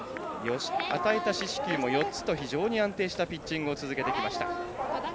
与えた四死球も４つと非常に安定したピッチングを続けてきました。